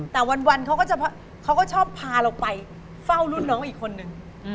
แต่วันเขาก็จะเขาก็ชอบพาเราไปเฝ้ารุ่นน้องอีกคนนึง